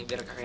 aku yang bawa